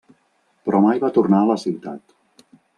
Però mai va tornar a la ciutat.